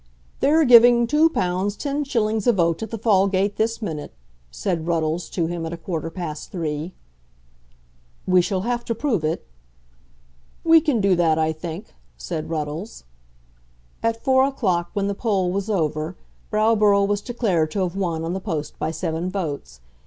"They're giving £2 10_s._ a vote at the Fallgate this minute," said Ruddles to him at a quarter past three. "We shall have to prove it." "We can do that, I think," said Ruddles. At four o'clock, when the poll was over, Browborough was declared to have won on the post by seven votes.